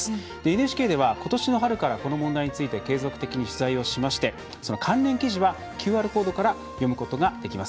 ＮＨＫでは、ことしの春からこの問題について継続的に取材をしまして関連記事はＱＲコードから読むことができます。